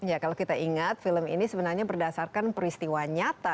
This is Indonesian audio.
ya kalau kita ingat film ini sebenarnya berdasarkan peristiwa nyata